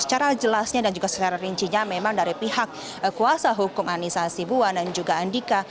secara jelasnya dan juga secara rincinya memang dari pihak kuasa hukum anissa hasibuan dan juga andika